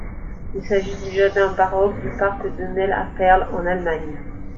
Il s'agit du jardin baroque du parc de Nell à Perl en Allemagne.